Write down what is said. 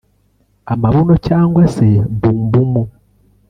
Amabuno cyangwa se "bumbum"